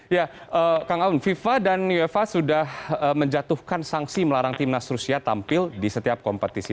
ya kang aun fifa dan uefa sudah menjatuhkan sanksi melarang timnas rusia tampil di setiap kompetisi